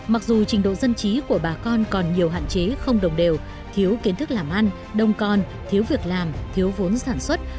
mặc dù trình độ dân trí của bà con còn nhiều hạn chế không đồng đều thiếu kiến thức làm ăn đông con thiếu việc làm thiếu vốn sản xuất